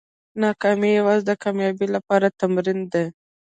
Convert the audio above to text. ناکامي یوازې د کامیابۍ لپاره تمرین دی.